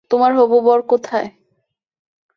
তোমার হবু বর কোথায়?